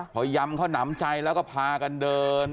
พอยำเขาหนำใจแล้วก็พากันเดิน